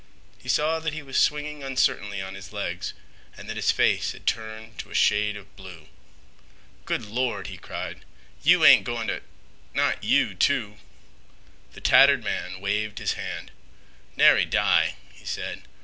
He saw that he was swinging uncertainly on his legs and that his face had turned to a shade of blue. "Good Lord!" he cried, "you ain't goin' t'—not you, too." The tattered man waved his hand. "Nary die," he said.